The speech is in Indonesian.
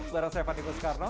bersama saya fadiko skarno